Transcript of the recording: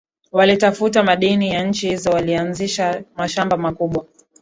Walitafuta madini ya nchi hizo walianzisha mashamba makubwa